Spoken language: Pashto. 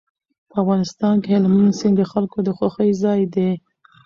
په افغانستان کې هلمند سیند د خلکو د خوښې ځای دی.